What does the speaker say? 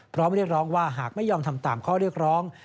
เรียกร้องว่าหากไม่ยอมทำตามข้อเรียกร้อง